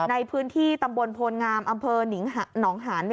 ในพื้นที่ตำบลโพลงามอำเภอหนองหาน